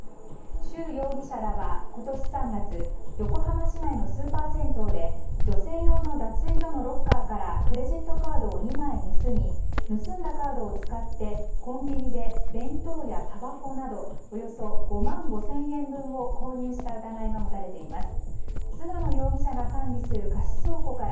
シュウ容疑者らは今年３月横浜市内のスーパー銭湯で女性用の脱衣所のロッカーからクレジットカード２枚盗み盗んだカードを使ってコンビニで弁当や、たばこなどおよそ５万５０００円分を購入した疑いが持たれています。